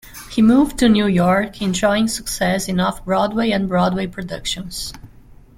He moved to New York, enjoying success in Off Broadway and Broadway productions.